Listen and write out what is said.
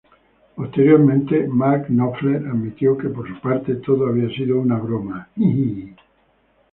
Posteriormente, Mark Knopfler admitió que por su parte todo había sido una broma.